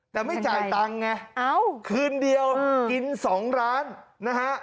แต่ไม่จ่ายตังค์ไงคืนเดียวกิน๒ร้านนะฮะ